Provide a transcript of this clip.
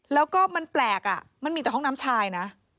แล้วก็มันแปลกมันมีแต่ห้องน้ำชายนะ